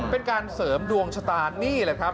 เป็นการเสริมดวงชะตานี่แหละครับ